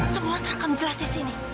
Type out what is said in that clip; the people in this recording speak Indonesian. semua terekam jelas di sini